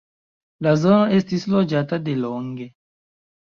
La zono estis loĝata delonge.